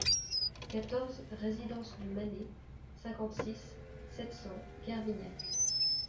quatorze résidence du Mané, cinquante-six, sept cents, Kervignac